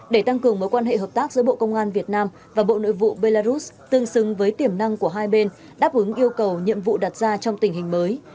để tăng cường mối quan hệ hợp tác giữa bộ công an việt nam và bộ nội vụ belarus tương xứng với tiềm năng của hai bên đáp ứng yêu cầu nhiệm vụ đặt ra trong tình hình mới